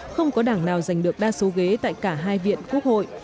không có đảng nào giành được đa số ghế tại cả hai viện quốc hội